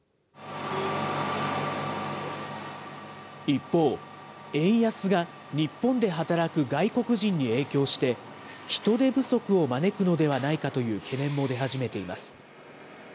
一方、円安が日本で働く外国人に影響して、人手不足を招くのではないかという懸念も出始めています。